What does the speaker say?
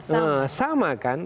nah sama kan